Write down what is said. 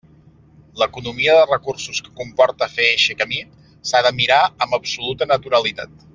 L'economia de recursos que comporta fer eixe camí s'ha de mirar amb absoluta naturalitat.